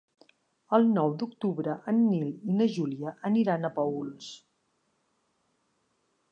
El nou d'octubre en Nil i na Júlia aniran a Paüls.